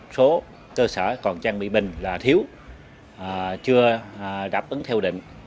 số cơ sở còn trang bị bình là thiếu chưa đáp ứng theo định